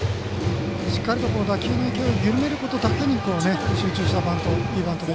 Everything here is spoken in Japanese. しっかりと打球の勢いを緩めるだけに集中したバント。